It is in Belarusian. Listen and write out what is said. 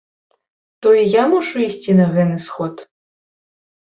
То і я мушу ісці на гэны сход?